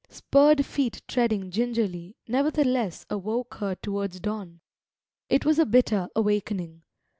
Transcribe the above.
Spurred feet treading gingerly nevertheless awoke her towards dawn. It was a bitter awakening.